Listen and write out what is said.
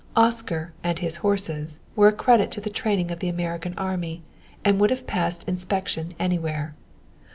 Oscar and his horses were a credit to the training of the American army, and would have passed inspection anywhere.